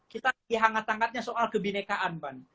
kita lagi hangat hangatnya soal kebinekaan ban